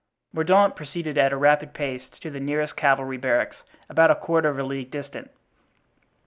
Mordaunt proceeded at a rapid pace to the nearest cavalry barracks, about a quarter of a league distant.